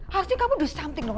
harusnya kamu lakukan sesuatu dong